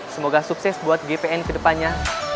semoga sukses buat gpn kedepannya